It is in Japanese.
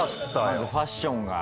まずファッションが。